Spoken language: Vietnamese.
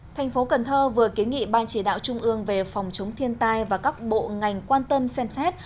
thành phố cần thơ vừa kiến nghị ban chỉ đạo trung ương về phòng chống thiên tai và các bộ ngành quan tâm xem xét